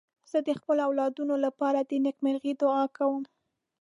زه د خپلو اولادونو لپاره د نېکمرغۍ دعا کوم.